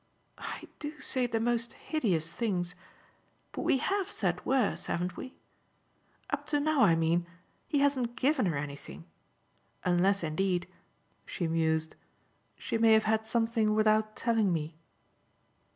"I do say the most hideous things. But we HAVE said worse, haven't we? Up to now, I mean, he hasn't given her anything. Unless indeed," she mused, "she may have had something without telling me."